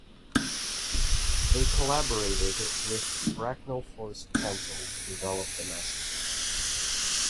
They collaborated with Bracknell Forest Council to develop the masterplan.